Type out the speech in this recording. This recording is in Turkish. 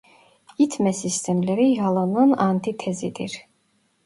İtme sistemleri Yalın'ın antitezidir.